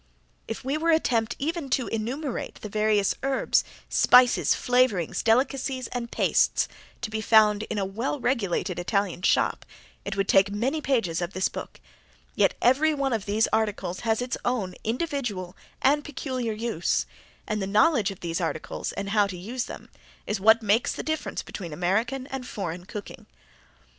If we were to attempt even to enumerate the various herbs, spices, flavorings, delicacies, and pastes to be found in a well regulated Italian shop it would take many pages of this book, yet every one of these articles has its own individual and peculiar use, and the knowledge of these articles and how to use them is what makes the difference between American and Foreign cooking.